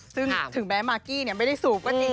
ซึ่งถึงแม้มากกี้ไม่ได้สูบก็จริง